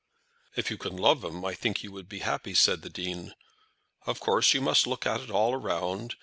"If you can love him I think you would be happy," said the Dean. "Of course you must look at it all round.